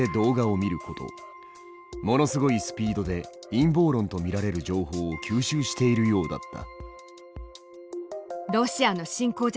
ものすごいスピードで陰謀論と見られる情報を吸収しているようだった。